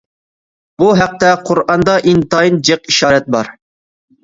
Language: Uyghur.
بۇ ھەقتە قۇرئاندا ئىنتايىن جىق ئىشارەت بار.